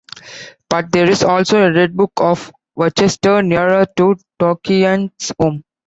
But there is also a Red Book of Worcester - nearer to Tolkien's home.